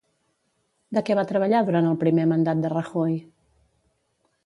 De què va treballar durant el primer mandat de Rajoy?